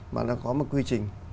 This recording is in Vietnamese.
mà nó có một quy trình